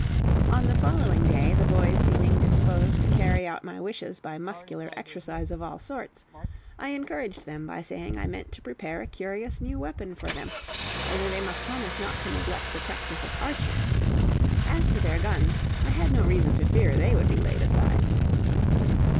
On the following day, the boys seeming disposed to carry out my wishes by muscular exercise of all sorts, I encouraged them by saying I meant to prepare a curious new weapon for them, only they must promise not to neglect the practice of archery; as to their guns, I had no reason to fear they would be laid aside.